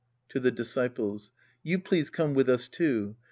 (Zti the disciples.) You please come with us, too.